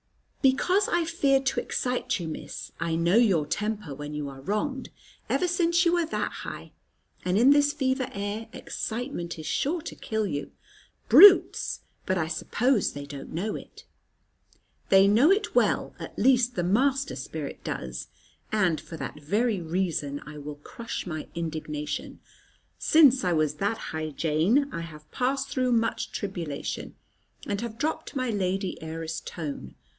"Because I feared to excite you, Miss. I know your temper when you are wronged, ever since you was that high; and in this fever air, excitement is sure to kill you. Brutes! But I suppose they don't know it." "They know it well; at least the master spirit does. And for that very reason I will crush my indignation. Since I was that high, Jane, I have passed through much tribulation, and have dropped my lady heiress tone.